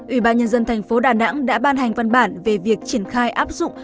ủy ban nhân dân thành phố đà nẵng đã ban hành văn bản về việc triển khai áp dụng